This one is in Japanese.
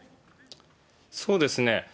そうですね。